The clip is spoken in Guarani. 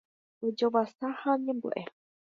ojovasa ha oñembo'e